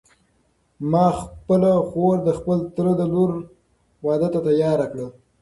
ما خپله خور د خپل تره د لور واده ته تیاره کړه.